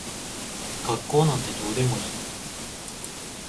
学校なんてどうでもいい。